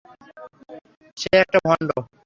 সে একটা ভন্ড।